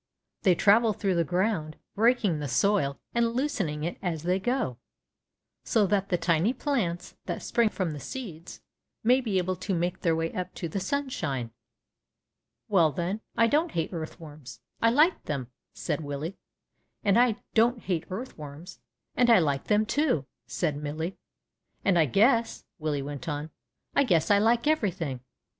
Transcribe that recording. They travel through the ground, breaking the soil and loosening it as they go, so that the tiny plants, that spring from the seeds, may be able to make their way up to the sunshine." ^^Well, then, I don't hate earthworms, I like them," said Willie. ^^And I don't hate earthworms, and I like them, too," said Millie. ^^And I guess," Willie went on, — I guess I like everything."